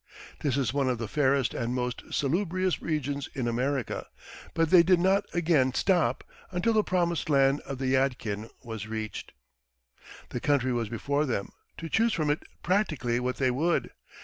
This is one of the fairest and most salubrious regions in America; but they did not again stop until the promised land of the Yadkin was reached. The country was before them, to choose from it practically what they would.